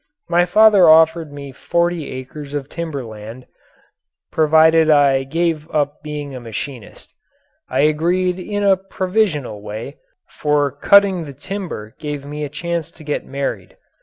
My father offered me forty acres of timber land, provided I gave up being a machinist. I agreed in a provisional way, for cutting the timber gave me a chance to get married.